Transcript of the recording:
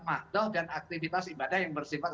makdoh dan aktivitas ibadah yang bersifat